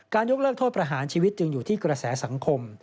ยกเลิกโทษประหารชีวิตจึงอยู่ที่กระแสสังคม